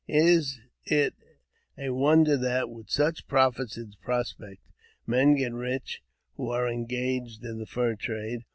Is it a wonder that, with such profits in prospect, men get rich who are en gaged in the fur trade